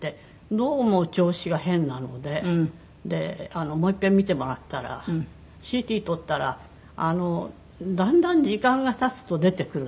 どうも調子が変なのでもういっぺん診てもらったらＣＴ撮ったらあのだんだん時間が経つと出てくるんですってね。